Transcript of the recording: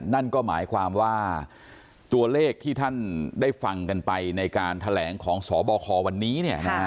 นั่นก็หมายความว่าตัวเลขที่ท่านได้ฟังกันไปในการแถลงของสบควันนี้